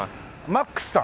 マックスさん。